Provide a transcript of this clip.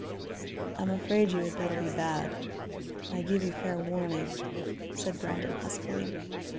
"I am afraid you had better be bad I give you fair warning," said Brandon huskily.